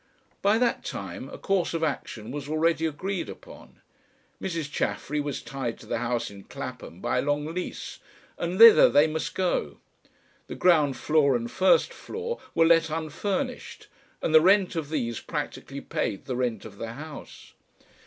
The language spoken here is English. By that time a course of action was already agreed upon. Mrs. Chaffery was tied to the house in Clapham by a long lease, and thither they must go. The ground floor and first floor were let unfurnished, and the rent of these practically paid the rent of the house.